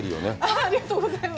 ありがとうございます。